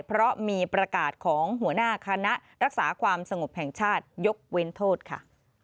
เพราะมีประกาศของหัวหน้าคณะรักษาความสงบแห่งชาติยกเว้นโทษค่ะ